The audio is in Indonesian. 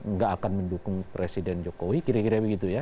nggak akan mendukung presiden jokowi kira kira begitu ya